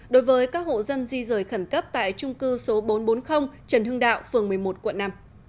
đối với các hộ dân di rời khẩn cấp tại trung cư số bốn trăm bốn mươi trần hưng đạo phường một mươi một quận năm